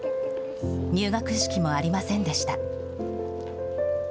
入学式もありませんでした。